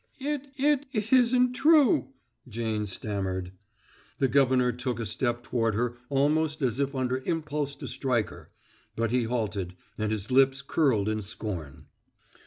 "It it isn't true!" Jane stammered. The governor took a step toward her almost as if under impulse to strike her, but he halted, and his lips curled in scorn.